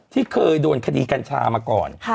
ที่เคยโดนคดีกัญชามาก่อน